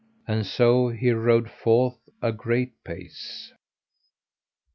And so he rode forth a great pace.